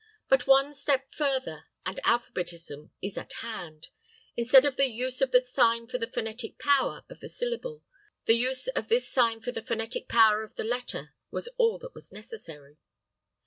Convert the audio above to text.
But one step further and alphabetism is at hand. Instead of the use of the sign for the phonetic power of the syllable, the use of this sign for the phonetic power of the letter was all that was necessary.